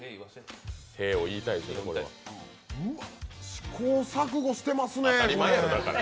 試行錯誤してますねぇ、これ。